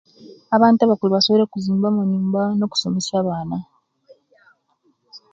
Abantu abakulu basobola okuzimba amanyumba nokusomesa abaana